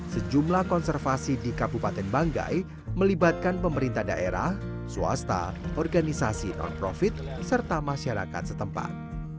sejumlah konservasi di kabupaten banggai melibatkan pemerintah daerah swasta organisasi non profit serta masyarakat setempat